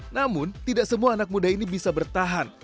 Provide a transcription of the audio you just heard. namun tidak semua anak muda ini bisa bertahan